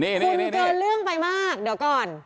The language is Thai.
คุณเจอเรื่องไปมากเนี่ย